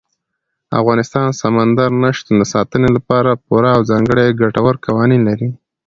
افغانستان د سمندر نه شتون د ساتنې لپاره پوره او ځانګړي ګټور قوانین لري.